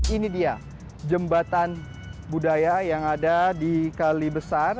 ini dia jembatan budaya yang ada di kalibesar